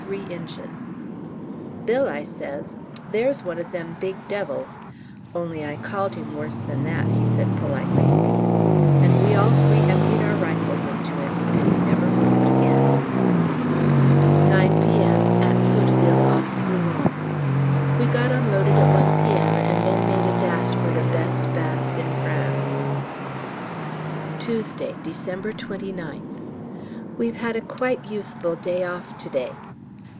3 in. "Bill," I says, "there's one o' them big devils (only I called him worse than that," he said politely to me), "and we all three emptied our rifles into him, and he never moved again." 9 P.M. At Sotteville, off Rouen. We got unloaded at 1 P.M. and then made a dash for the best baths in France. Tuesday, December 29th. We've had a quite useful day off to day.